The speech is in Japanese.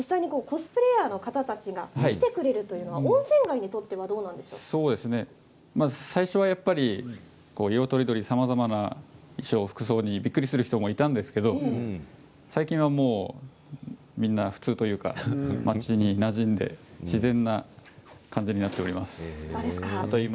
コスプレーヤーの方たちが来てくれるのは温泉街にとっては最初はやっぱり色とりどりのさまざまな衣装、服装にびっくりする人もいたんですけれど最近はみんな普通というか町になじんで自然な感じになっております。